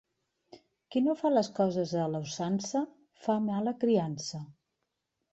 Qui no fa les coses a la usança fa mala criança.